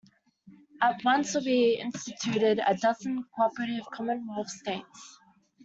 At once would be instituted a dozen cooperative commonwealth states.